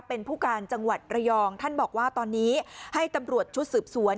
เป็นผู้การจังหวัดระยองท่านบอกว่าตอนนี้ให้ตำรวจชุดสืบสวน